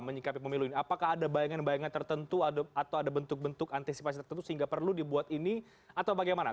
menyikapi pemilu ini apakah ada bayangan bayangan tertentu atau ada bentuk bentuk antisipasi tertentu sehingga perlu dibuat ini atau bagaimana